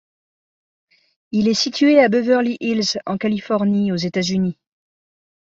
Il est situé à Beverly Hills en Californie aux États-Unis.